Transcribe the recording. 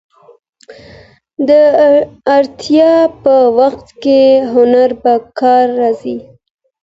د اړتیا په وخت کې هنر په کار راځي.